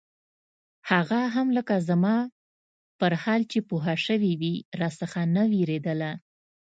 هغه هم لکه زما پر حال چې پوهه سوې وي راڅخه نه وېرېدله.